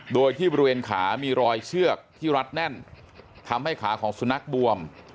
โดยที่บริเวณขามีรอยเชือกที่รัดแน่นทำให้ขาของสุนัขบวม